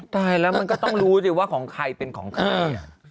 ตายแล้วมันก็ต้องรู้สิว่าของใครเป็นของใคร